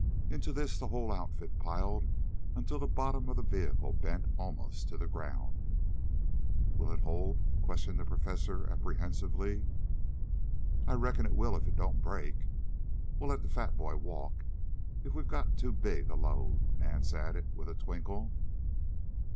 Into this the whole outfit piled until the bottom of the vehicle bent almost to the ground. "Will it hold?" questioned the Professor apprehensively. "I reckon it will if it doesn't break. We'll let the fat boy walk if we've got too big a load," Nance added, with a twinkle.